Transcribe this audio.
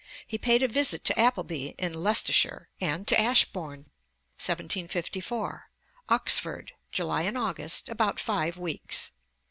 He paid a visit to Appleby in Leicestershire and to Ashbourn. Ante, i. 82, 133 note 1. 1754. Oxford. July and August, about five weeks.